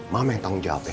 mama yang tau ngejawabnya